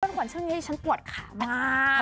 ป้านขวัญช่างเย้ฉันปวดขามาก